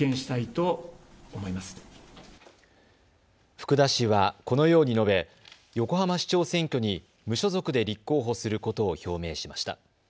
福田氏はこのように述べ横浜市長選挙に無所属で立候補することを表明しました。